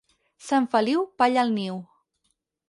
Sant Feliu, palla al niu.